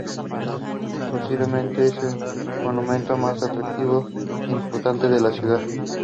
Posiblemente es el monumento más atractivo e importante de la ciudad.